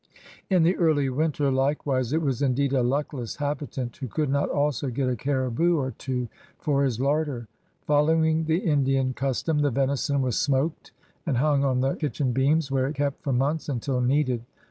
In the early winter, likewise, it was indeed a luckless habitant who could not also get a caribou or two for his larder. Following the Indian custom, the venison was smoked and hung on the kitch^i beams, where it kept for months until needed.